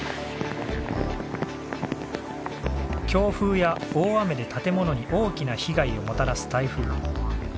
強風や大雨で建物に大きな被害をもたらす台風。